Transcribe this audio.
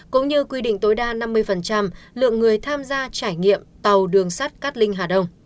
cũng như quy định tối đa năm mươi lượng người tham gia trải nghiệm tàu đường sắt cát linh hà đông